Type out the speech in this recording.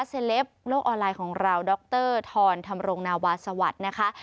เล็ปโลกออนไลน์ของเราดรธรธรรมรงนาวาสวัสดิ์นะคะ